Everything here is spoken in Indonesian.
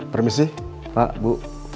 permisi pak bu